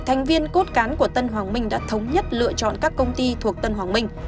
thành viên cốt cán của tân hoàng minh đã thống nhất lựa chọn các công ty thuộc tân hoàng minh